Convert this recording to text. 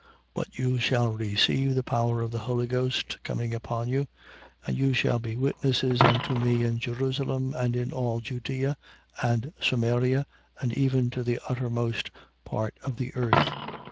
But you shall receive the power of the Holy Ghost coming upon you, and you shall be witnesses unto me in Jerusalem, and in all Judea, and Samaria, and even to the uttermost part of the earth.